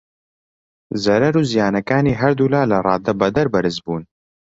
زەرەر و زیانەکانی هەردوو لا لە ڕادەبەدەر بەرز بوون.